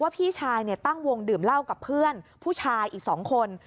พี่ชายตั้งวงดื่มเหล้ากับเพื่อนผู้ชายอีก๒คน